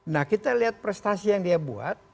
nah kita lihat prestasi yang dia buat